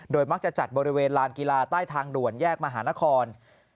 มักจะจัดบริเวณลานกีฬาใต้ทางด่วนแยกมหานคร